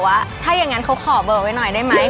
อย่าไปชวนผู้หญิงเข้าเซเว่นนะครับ